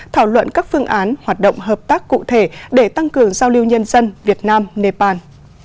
thảo luận các phương án hoạt động hợp tác cụ thể để tăng cường giao lưu nhân dân việt nam nepal